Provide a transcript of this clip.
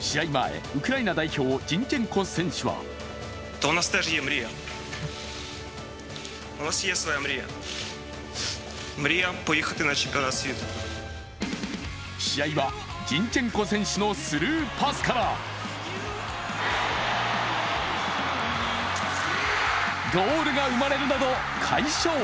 前、ウクライナ代表ジンチェンコ選手は試合はジンチェンコ選手のスルーパスからゴールが生まれるなど、快勝。